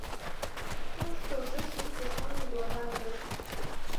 Ну, што ж, засніце, сон не благая рэч.